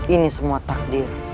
ini semua takdir